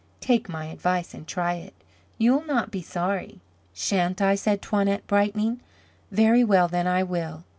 Take my advice, and try it. You'll not be sorry." "Sha'n't I?" said Toinette, brightening. "Very well, then, I will."